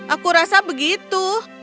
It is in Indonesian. aku rasa begitu